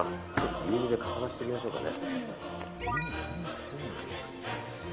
牛乳でかさ増ししておきましょうかね。